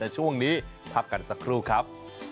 ช่วงนี้ครับ